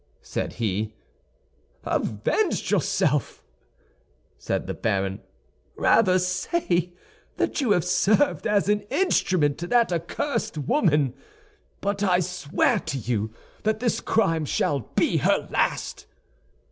said he. "Avenged yourself," said the baron. "Rather say that you have served as an instrument to that accursed woman; but I swear to you that this crime shall be her last."